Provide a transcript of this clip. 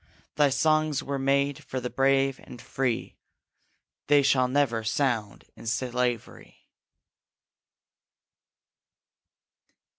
Thy songs were made for the brave and free, They shall never sound in slavery!'